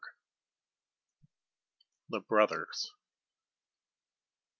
THE BROTHERS.